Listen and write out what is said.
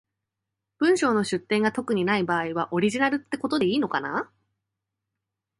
文章の出典が特にない場合は、オリジナルってことでいいのかな？